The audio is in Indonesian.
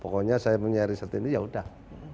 pokoknya saya mencari riset ini ya udah